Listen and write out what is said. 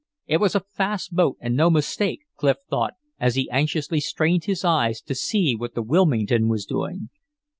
It was a fast boat and no mistake, Clif thought, as he anxiously strained his eyes to see what the Wilmington was doing.